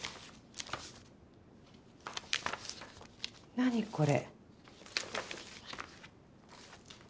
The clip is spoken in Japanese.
何これ。